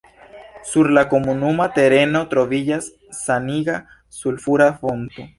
Sur la komunuma tereno troviĝas saniga sulfura fonto.